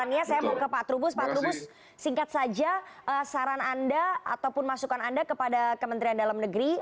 pertanyaannya saya mau ke pak trubus pak trubus singkat saja saran anda ataupun masukan anda kepada kementerian dalam negeri